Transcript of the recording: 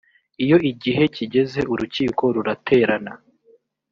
iyo igihe kigeze urukiko ruraterana